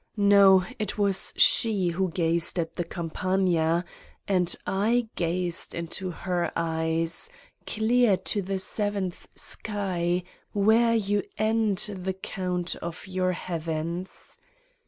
No, it was she who gazed at the Campagne and I gazed into her eyes clear to the seventh sky, where you end the count of your heavens.